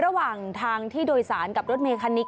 ระหว่างทางที่โดยสารกับรถเมคันนี้